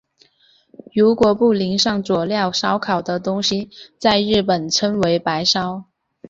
如果不淋上佐料烧烤的东西在日本称为白烧。